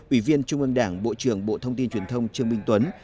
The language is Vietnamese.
ủy viên trung ương đảng bộ trưởng bộ thông tin truyền thông trương minh tuấn